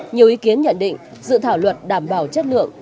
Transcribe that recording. nhiều ý kiến nhận định dự thảo luật đảm bảo chất lượng